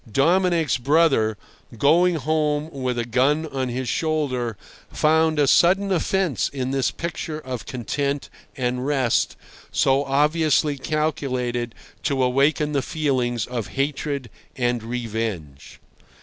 Dominic's brother, going home with a gun on his shoulder, found a sudden offence in this picture of content and rest so obviously calculated to awaken the feelings of hatred and revenge.